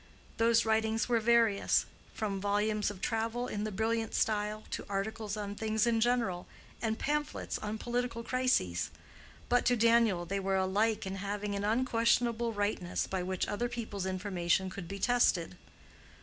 Those writings were various, from volumes of travel in the brilliant style, to articles on things in general, and pamphlets on political crises; but to Daniel they were alike in having an unquestionable rightness by which other people's information could be tested.